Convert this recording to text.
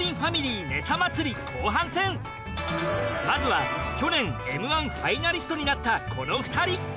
まずは去年Ｍ−１ファイナリストになったこの２人。